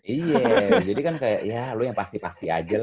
iya jadi kan kayak lu yang pasti pasti aja lah